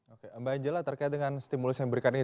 oke mbak angela terkait dengan stimulus yang diberikan ini